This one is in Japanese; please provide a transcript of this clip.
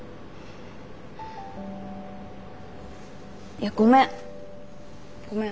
いやごめんごめん。